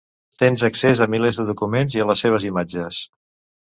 Tens accés a milers de documents i a les seves imatges.